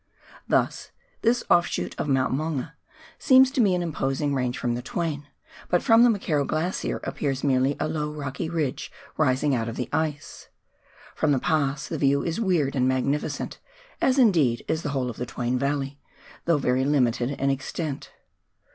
Thus, this offshoot of Mount Maunga seems to be an imposing range from the Twain, but from the McKerrow Glacier appears merely a low rocky ridge rising out of the ice. From the Pass the view is weird and magnificent — as, indeed, is the whole of the Twain valley — though very limited in extent.